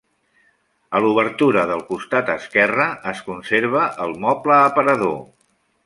A l'obertura del costat esquerre es conserva el moble aparador.